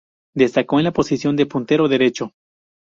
Destacó en la posición de puntero derecho.